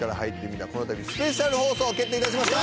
このたびスペシャル放送決定いたしました